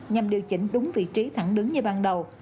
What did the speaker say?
nhằm điều chỉnh đúng vị trí thẳng đứng như ban đầu